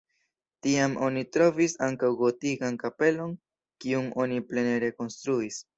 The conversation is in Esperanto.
Tiam oni trovis ankaŭ gotikan kapelon, kiun oni plene rekonstruis.